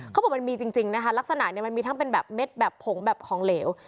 เขาบอกมันมีจริงนะคะลักษณะเนี่ยมันมีทั้งเป็นแบบเม็ดแบบผงแบบของเหลว